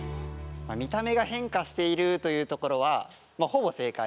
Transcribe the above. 見た目が変化しているというところはほぼ正解。